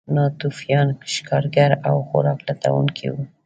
ناتوفیان ښکارګر او خوراک لټونکي وو.